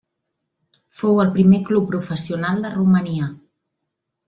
Fou el primer club professional de Romania.